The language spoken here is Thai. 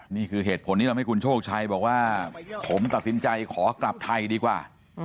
นี่คือเหตุผลที่ทำให้คุณโชคชัยบอกว่าผมตัดสินใจขอกลับไทยดีกว่า